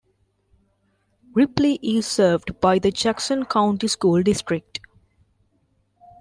Ripley is served by the Jackson County School District.